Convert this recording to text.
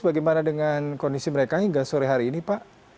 bagaimana dengan kondisi mereka hingga sore hari ini pak